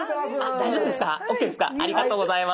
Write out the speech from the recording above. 大丈夫です。